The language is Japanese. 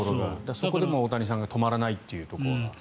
そこでも大谷さんが止まらないというところが。